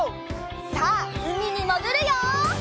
さあうみにもぐるよ！